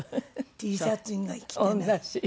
Ｔシャツ以外着てない。